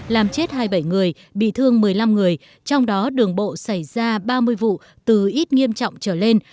làm chết hai mươi bảy người bị thương một mươi năm người trong đó đường bộ xảy ra ba mươi vụ từ ít nghiêm trọng trở lên